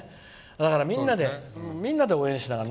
だから、みんなで応援しながら。